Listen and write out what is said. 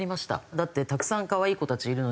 だってたくさん可愛い子たちいるのに。